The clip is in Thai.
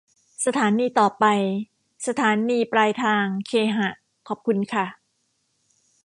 สถานีต่อไป สถานีปลายทางเคหะ ขอบคุณค่ะ